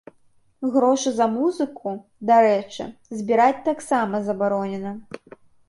Грошы за музыку, дарэчы, збіраць таксама забаронена.